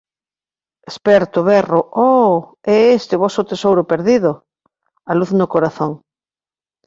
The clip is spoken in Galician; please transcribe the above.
Esperto, berro “Oh, é este o voso tesouro perdido? A luz no corazón.”